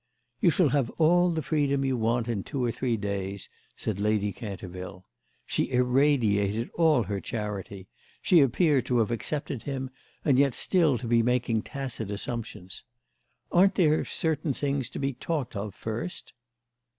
"You shall have all the freedom you want in two or three days," said Lady Canterville. She irradiated all her charity; she appeared to have accepted him and yet still to be making tacit assumptions. "Aren't there certain things to be talked of first?"